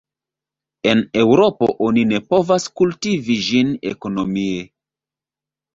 En Eŭropo oni ne povas kultivi ĝin ekonomie.